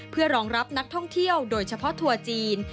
เพื่อรองรับนักท่องเที่ยวโดยเฉพาะทัวร์จีน